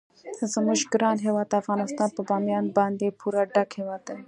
زموږ ګران هیواد افغانستان په بامیان باندې پوره ډک هیواد دی.